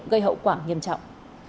gây hậu quả nghiêm trọng